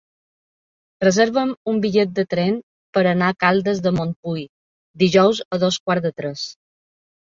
Reserva'm un bitllet de tren per anar a Caldes de Montbui dijous a dos quarts de tres.